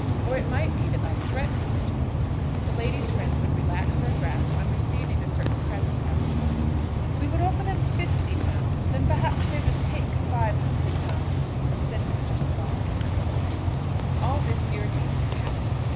Or it might be that by threatening to do this, the lady's friends would relax their grasp on receiving a certain present out of the money. "We would offer them £50, and perhaps they would take £500," said Messrs. Block and Curling. All this irritated the Captain.